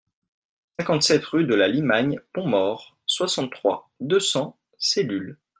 cinquante-sept rue de la Limagne Pontmort, soixante-trois, deux cents, Cellule